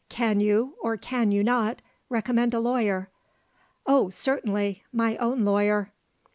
"Can you, or can you not, recommend a lawyer?" "Oh, certainly! My own lawyer."